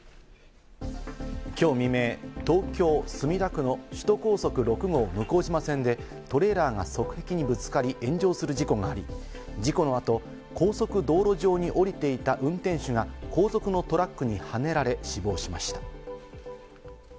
きょう未明、東京・墨田区の首都高速６号向島線でトレーラーが側壁にぶつかり、炎上する事故があり、事故の後、高速道路上に降りていた運転手が後続のトラックにはねられ死亡しました。